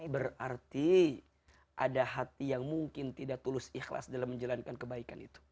berarti ada hati yang mungkin tidak tulus ikhlas dalam menjalankan kebaikan itu